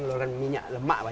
jawi yang dikebiri lebih lemak